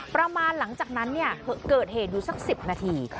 หลังจากนั้นเกิดเหตุอยู่สัก๑๐นาที